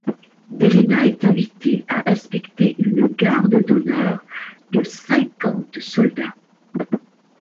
Delena est invité à inspecter une garde d'honneur de cinquante soldats.